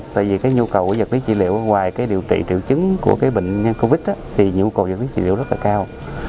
tại vì cái nhu cầu dẫn lý trị liệu ngoài cái điều trị triệu chứng của cái bệnh covid thì nhu cầu dẫn lý trị liệu rất là cao